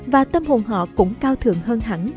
và tâm hồn họ cũng cao thường hơn hẳn